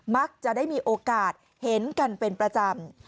มักจะได้มีโอกาสเห็นกันเป็นประจำ